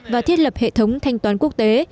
và thiết lập hệ thống thanh toán quốc tế